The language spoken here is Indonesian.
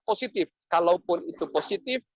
positif kalaupun itu positif